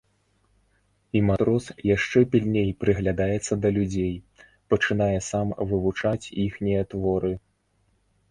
І матрос яшчэ пільней прыглядаецца да людзей, пачынае сам вывучаць іхнія творы.